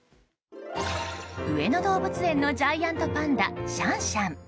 上野動物園のジャイアントパンダシャンシャン。